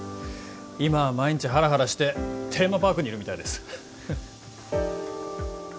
今は毎日ハラハラしてテーマパークにいるみたいです